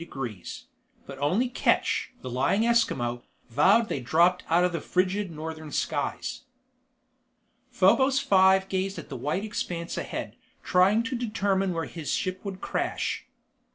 but only Ketch, the lying Eskimo, vowed they dropped out of frigid northern skies._ Probos Five gazed at the white expanse ahead, trying to determine where his ship would crash.